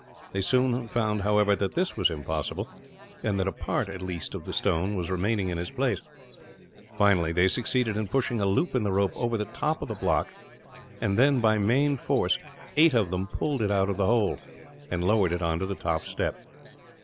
They soon found, however, that this was impossible; and that a part, at least, of the stone was remaining in its place. Finally, they succeeded in pushing a loop in the rope over the top of the block; and then, by main force, eight of them pulled it out of the hole, and lowered it on to the top step.